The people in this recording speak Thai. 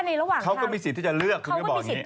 แล้วเดี๋ยว